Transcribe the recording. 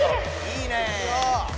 いいね！